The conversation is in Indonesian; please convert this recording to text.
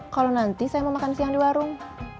kalau nanti saya mau makan siang di warung